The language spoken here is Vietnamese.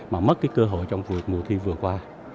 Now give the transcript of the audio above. mà mất cái cơ hội trong mùa thi vừa qua